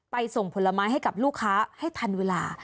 ส่งผลไม้ให้กับลูกค้าให้ทันเวลา